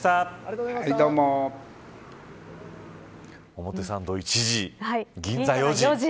表参道、１時銀座、４時。